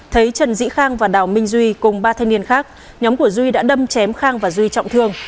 thấy trần dĩ khang và đào minh duy cùng ba thanh niên khác nhóm của duy đã đâm chém khang và duy trọng thương